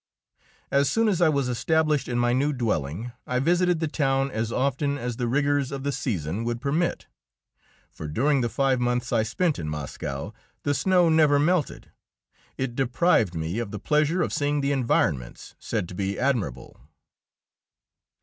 So soon as I was established in my new dwelling, I visited the town as often as the rigours of the season would permit. For during the five months I spent at Moscow, the snow never melted; it deprived me of the pleasure of seeing the environments, said to be admirable.